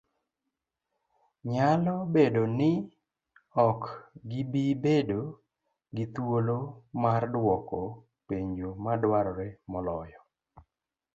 Nyalo bedo ni ok gibi bedo gi thuolo mardwoko penjo madwarore moloyo.